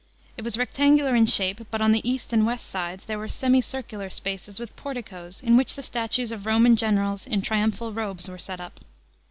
It was rectan ular in shape, but on the east and west sides there were semi circular spaces with porticoes in which statues of Roman generals in triumphal robes were s< t up.